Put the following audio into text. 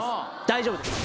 大丈夫です